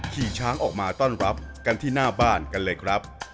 ขี่ช้างออกมาต้อนรับกันที่หน้าบ้านกันเลยครับ